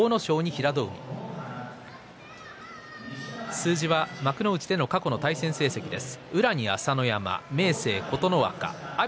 数字は幕内での過去の対戦成績です。